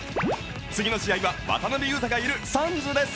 次の試合は、渡邊雄太がいるサンズです。